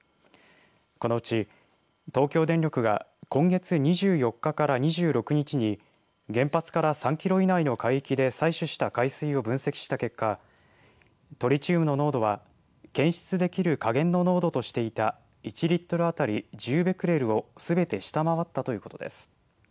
このうち東京電力が今月２４日から２６日に原発から３キロ以内の海域で採取した海水を分析した結果トリチウムの濃度は検出できる下限の濃度としていた１リットル当たり１０ベクレルをすべて下回ったということです。